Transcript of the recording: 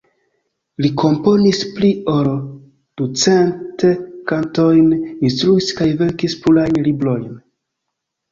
Li komponis pli ol ducent kantojn, instruis kaj verkis plurajn librojn.